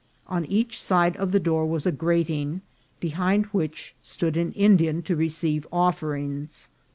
On each side of the door was a grating, behind which stood an Indian to receive offerings.